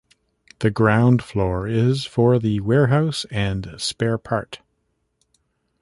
The ground floor is for the warehouse and spare part.